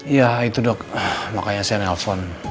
iya itu dok makanya saya nelfon